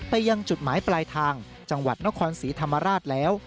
ยังจุดหมายปลายทางจังหวัดนครศรีธรรมราชแล้ว